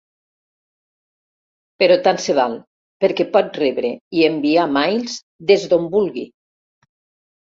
Però tant se val, perquè pot rebre i enviar mails des d'on vulgui.